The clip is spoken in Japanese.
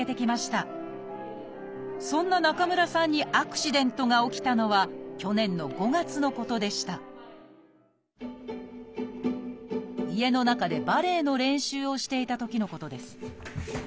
そんな中村さんにアクシデントが起きたのは去年の５月のことでした家の中でバレエの練習をしていたときのことです。